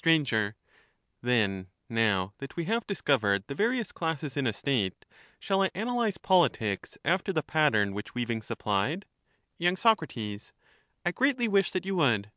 them to Str, Then, now that we have discovered the various classes ^^®'^,.*'?^ in a State*, shall I analyse politics after the pattern which web. weaving supplied ? 306 y. Soc, I greatly wish that you would.